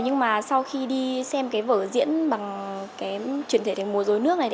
nhưng mà sau khi đi xem vở diễn bằng chuyển thể thành mùa dối nước này